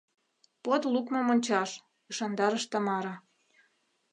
— Под лукмым ончаш, — ӱшандарыш Тамара.